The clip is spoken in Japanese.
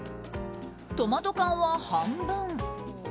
トマト缶は半分。